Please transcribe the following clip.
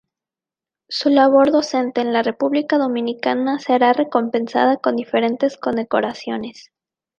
Su labor docente en la República Dominicana será recompensada con diferentes condecoraciones.